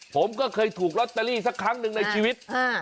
ผมก็เคยถูกลอตเตอรี่สักครั้งหนึ่งในชีวิต